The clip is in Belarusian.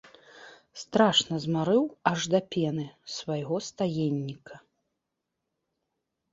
Страшна змарыў, аж да пены, свайго стаенніка.